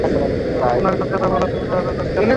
ওনাকে সত্যটা বলো, তুমি যা করেছ তা স্বীকার করো।